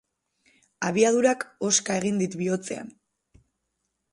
Abiadurak hoska egin dit bihotzean.